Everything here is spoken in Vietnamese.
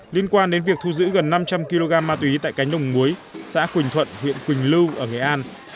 liên quan đến việc thu giữ gần năm trăm linh kg ma túy tại cánh đồng muối xã quỳnh thuận huyện quỳnh lưu ở nghệ an